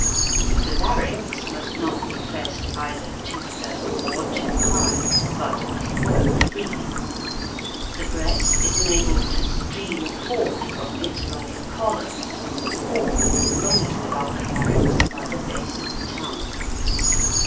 The larynx must not be pressed either too low or too high, but must work freely. The breath is enabled to stream forth from it like a column, whose form is moulded above the larynx by the base of the tongue.